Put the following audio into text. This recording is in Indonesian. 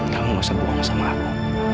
kamu gak usah buang sama aku